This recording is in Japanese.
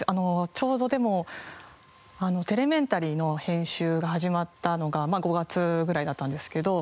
ちょうど『テレメンタリー』の編集が始まったのが５月ぐらいだったんですけど。